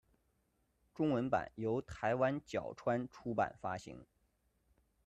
中文版由台湾角川出版发行。